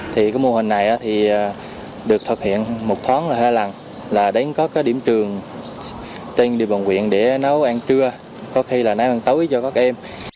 thì cái mô hình này thì được thực hiện một tháng là hai lần là đến có cái điểm trường trên địa bàn huyện để nấu ăn trưa có khi là nãy ăn tối cho các em